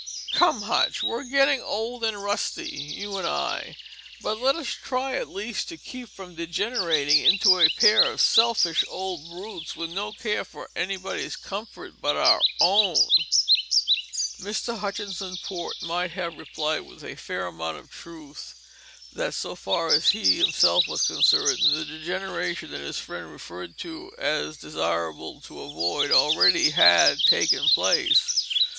Come, Hutch; we're getting old and rusty, you and I, but let us try at least to keep from degenerating into a pair of selfish old brutes with no care for anybody's comfort but our own." Mr. Hutchinson Port might have replied with a fair amount of truth that so far as he himself was concerned the degeneration that his friend referred to as desirable to avoid already had taken place.